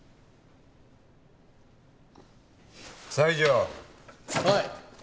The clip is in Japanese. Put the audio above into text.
はい。